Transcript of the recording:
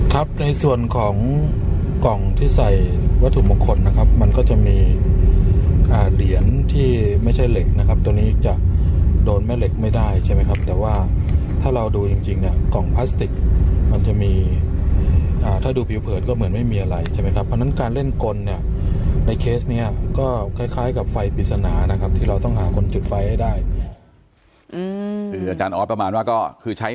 ครับในส่วนของกล่องที่ใส่วัตถุมงคลนะครับมันก็จะมีเหรียญที่ไม่ใช่เหล็กนะครับตัวนี้จะโดนแม่เหล็กไม่ได้ใช่ไหมครับแต่ว่าถ้าเราดูจริงเนี่ยกล่องพลาสติกมันจะมีถ้าดูผิวเผินก็เหมือนไม่มีอะไรใช่ไหมครับเพราะฉะนั้นการเล่นกลเนี่ยในเคสเนี้ยก็คล้ายกับไฟปริศนานะครับที่เราต้องหาคนจุดไฟให้ได้คืออาจารย์ออสประมาณว่าก็คือใช้